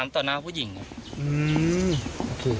ตอนหน้าผู้หญิงอืม